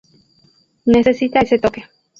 Necesita ese toque".